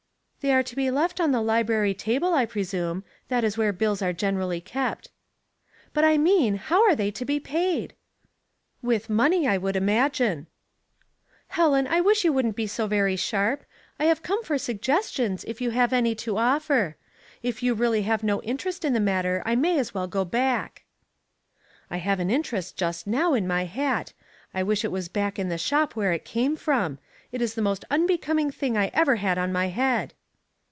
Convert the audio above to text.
'' They are to be left on the library table, I presume. That is where bills are generally kept." '" But I mean how are they to be paid ?"*' With money, I should imagine." " Helen, I wish you wouldn't be so very sharp. I have come for suggestions if you have any to offer. It you really have no interest in the mat ter I may as well go back." Debts and Doubts, 107 I have an interest just now in my hat. I wish it was back in the shop where it came from. It is the most unbecoming thing I ever had on my head."